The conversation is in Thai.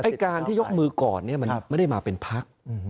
ทีนี้ไอ้การที่ยกมือก่อนมันไม่ได้มาเป็นภักรณ์